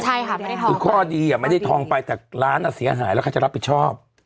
ใช่ค่ะไม่ได้ทองคือข้อดีอ่ะไม่ได้ทองไปแต่ร้านอ่ะเสียหายแล้วใครจะรับผิดชอบ